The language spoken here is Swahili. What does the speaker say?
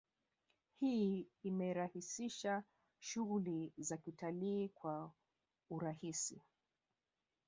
Hii imerahisisha shughuli za kitalii kwa urahisi